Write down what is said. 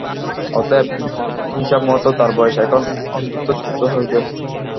অতএব, হিসাবমত তার বয়স এখন অন্তত চৌদ্দ হইবে।